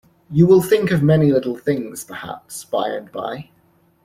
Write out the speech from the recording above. You will think of many little things perhaps, by and by.